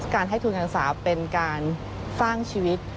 การให้ทุนการศึกษาเป็นการสร้างชีวิต